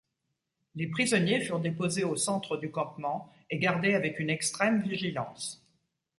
Les prisonniers furent déposés au centre du campement et gardés avec une extrême vigilance.